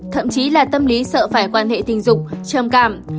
thậm chí là tâm lý sợ phải quan hệ tình dục trầm cảm